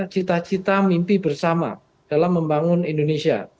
cita cita mimpi bersama dalam membangun indonesia